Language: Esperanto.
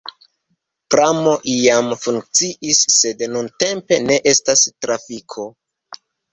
Pramo iam funkciis, sed nuntempe ne estas trafiko.